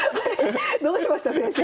どうしました先生。